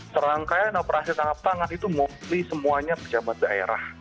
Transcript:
serangkaian operasi tanggap tangan itu mumpuni semuanya pejabat daerah